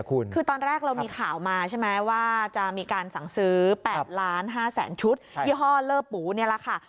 คือตอนแรกเรามีข่าวมาใช่ไหมว่าจะมีการสั่งซื้อ๘ล้าน๕แสนชุดยี่ห้อเลอร์ปูนี่แหละค่ะ